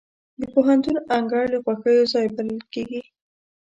د پوهنتون انګړ د خوښیو ځای بلل کېږي.